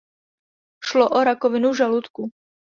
Šlo o rakovinu žaludku.